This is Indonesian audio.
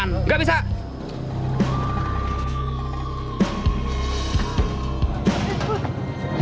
bang bang bantah saya bang